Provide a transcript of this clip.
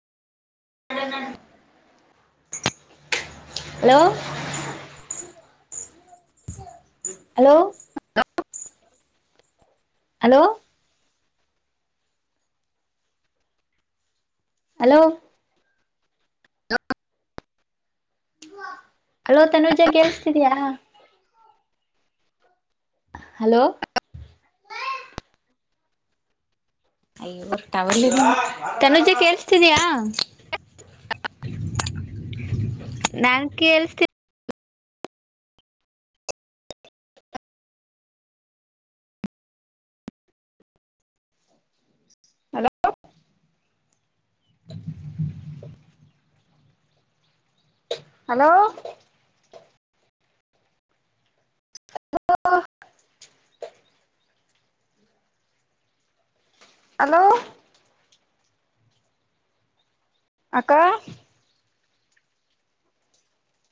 Hello hello hello hello hello Tanuja ಕೇೇಳಸ್ತಿದಯಾ. Hello ಅಯ್ಯವರ್ ತನುಜ ಕೇೇಳಸ್ತಿದಯ ನಾನ್ ಕೇಳಸ್ತೇ ಹಲೋ ಹಲೋ ಹಲೋ ಹಲೋ ಅಕ್ಕ